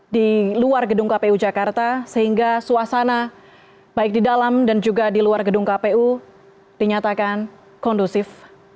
di luar gedung kpu jakarta sehingga suasana baik di dalam dan juga di luar gedung kpu dinyatakan kondusif